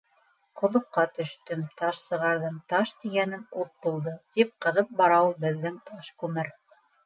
— Ҡоҙоҡҡа төштөм, таш сығарҙым, таш тигәнем ут булды, тип ҡыҙып бара ул беҙҙең Ташкүмер.